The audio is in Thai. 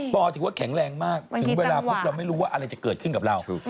ถือว่าแข็งแรงมากถึงเวลาปุ๊บเราไม่รู้ว่าอะไรจะเกิดขึ้นกับเรา